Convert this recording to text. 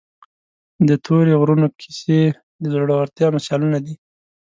د تورې غرونو کیسې د زړورتیا مثالونه دي.